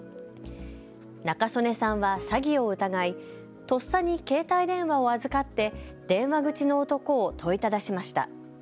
仲宗根さんは詐欺を疑いとっさに携帯電話を預かって電話口の男を問いただしました。